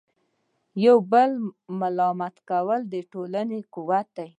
د یو بل ملاتړ کول د ټولنې قوت دی.